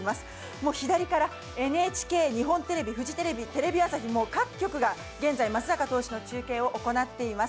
もう左からＮＨＫ、日本テレビ、フジテレビ、テレビ朝日、もう各局が現在、松坂投手の中継を行っています。